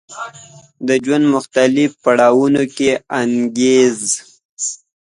د ژوند په مختلفو پړاوونو کې انګېزه